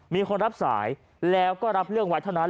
มีคนรับสายแล้วก็รับเรื่องไว้เท่านั้น